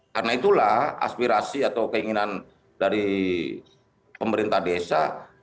karena itulah aspirasi atau keinginan dari pemerintah desa